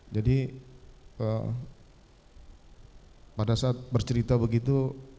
jadi pada saat bercerita begitu